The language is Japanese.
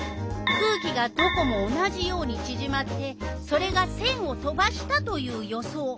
空気がどこも同じようにちぢまってそれがせんを飛ばしたという予想。